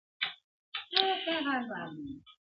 خدایه څه بېخونده شپې دي په زړه سوړ یم له ژوندونه-